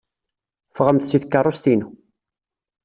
Ffɣemt seg tkeṛṛust-inu!